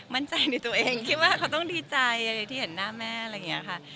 มั่นใจในตัวเองคิดว่าเขาต้องดีใจอะไรที่เห็นหน้าแม่อะไรอย่างนี้ค่ะ